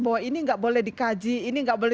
bahwa ini gak boleh dikaji ini gak boleh